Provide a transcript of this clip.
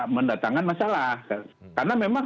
mendatangkan masalah karena memang